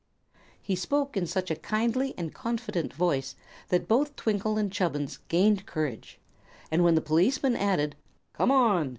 He spoke in such a kindly and confident voice that both Twinkle and Chubbins gained courage; and when the policeman added: "Come on!"